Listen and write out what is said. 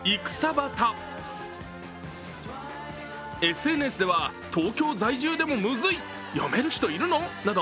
ＳＮＳでは東京在住でもムズい、読める人いるの？など